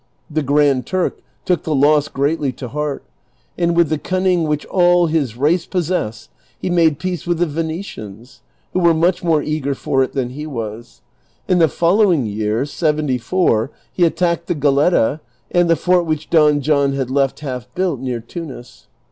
The Grand Turk took the loss greatly to heart, and with the cunning which all his race possess, he made peace with the Venetians (who were much more eager for it than he was), and the following year, seventy four, he attacked the Goletta,' * and the fort which Don ,fohn had left half built near Tunis.